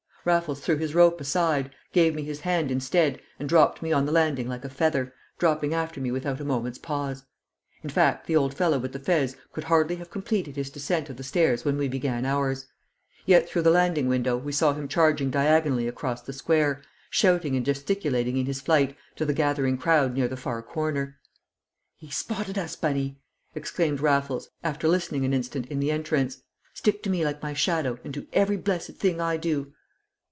Raffles threw his rope aside, gave me his hand instead, and dropped me on the landing like a feather, dropping after me without a moment's pause. In fact, the old fellow with the fez could hardly have completed his descent of the stairs when we began ours. Yet through the landing window we saw him charging diagonally across the square, shouting and gesticulating in his flight to the gathering crowd near the far corner. "He spotted us, Bunny!" exclaimed Raffles, after listening an instant in the entrance. "Stick to me like my shadow, and do every blessed thing I do."